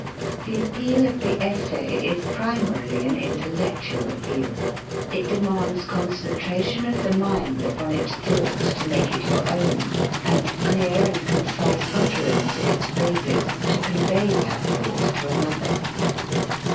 The appeal of the essay is primarily an intellectual appeal. It demands concentration of the mind upon its thought to make it your own ; and clear and concise utterance of its phrases to convey that thought to another.